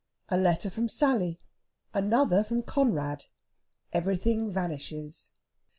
A LETTER FROM SALLY. ANOTHER FROM CONRAD. EVERYTHING VANISHES!